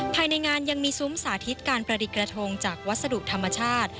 ภายในงานยังมีซุ้มสาธิตการประดิษฐ์กระทงจากวัสดุธรรมชาติ